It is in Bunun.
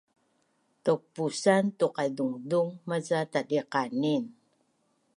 tauk pusan tuqaizungzung maca tatdiqanin